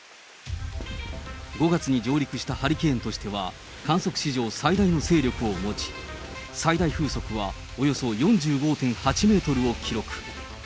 ５月に上陸したハリケーンとしては、観測史上最大の勢力を持ち、最大風速はおよそ４５．８メートルを記録。